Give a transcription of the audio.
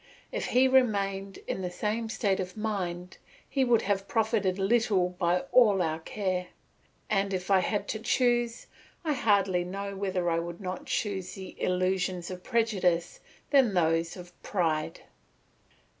If he remained in this state of mind, he would have profited little by all our care; and if I had to choose, I hardly know whether I would not rather choose the illusions of prejudice than those of pride.